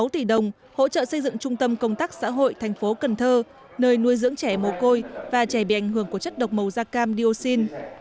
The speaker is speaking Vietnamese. sáu tỷ đồng hỗ trợ xây dựng trung tâm công tác xã hội thành phố cần thơ nơi nuôi dưỡng trẻ mồ côi và trẻ bị ảnh hưởng của chất độc màu da cam dioxin